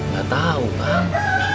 gak tau kang